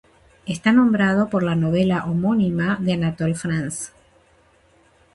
Está nombrado por la novela homónima de Anatole France.